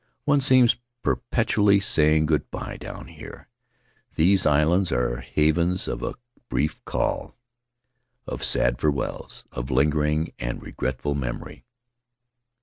One seems per petually saying good by down here — these islands are havens of a brief call, of sad farewells, of lingering and regretful memory.